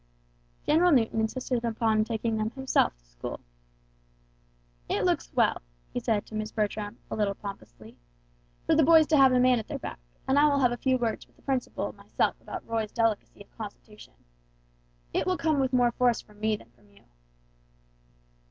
General Newton insisted upon taking them himself to school. "It looks well," he said to Miss Bertram, a little pompously; "for the boys to have a man at their back, and I will have a few words with the principal myself about Roy's delicacy of constitution. It will come with more force from me than from you."